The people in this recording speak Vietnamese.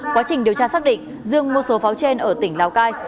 quá trình điều tra xác định dương mua số pháo trên ở tỉnh lào cai